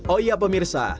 oh iya pemirsa